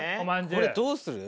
これどうする？